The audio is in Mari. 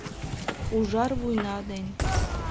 Ужар вуйна ден